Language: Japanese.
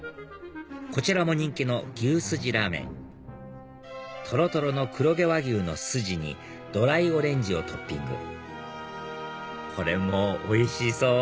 こちらも人気の牛すじラーメンとろとろの黒毛和牛のスジにドライオレンジをトッピングこれもおいしそう！